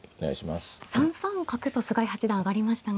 ３三角と菅井八段上がりましたが。